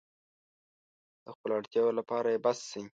د خپلو اړتیاوو لپاره يې بس شي.